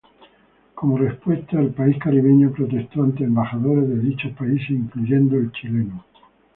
Como respuesta, el país caribeño protestó ante embajadores de dichos países, incluyendo el chileno.